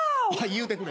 言うてくれ。